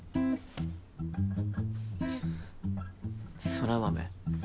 空豆